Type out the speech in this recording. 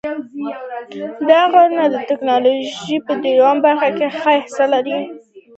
دا غرونه د جیولوژۍ په دریمې دورې پورې اړه لري.